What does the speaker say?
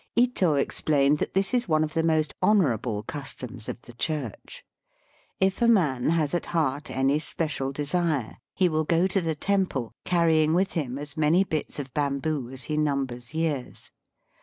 Ito explained that this is one of the most honour able customs of the Church. If a man has at heart any special desire, he will go to the temple, carrying with him as many bits of bamboo as he numbers years.